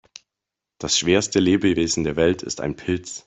Das schwerste Lebewesen der Welt ist ein Pilz.